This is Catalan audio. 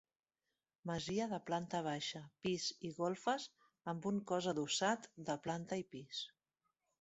Masia de planta baixa, pis i golfes amb un cos adossat de planta i pis.